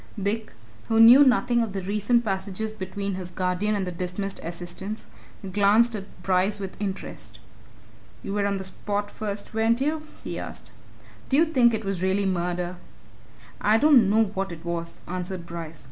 Dick, who knew nothing of the recent passages between his guardian and the dismissed assistant, glanced at Bryce with interest. "You were on the spot first, weren't you?" he asked: "Do you think it really was murder?" "I don't know what it was," answered Bryce.